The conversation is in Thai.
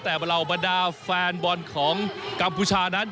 แต่เหล่าบรรดาแฟนบอลของกัมพูชานั้น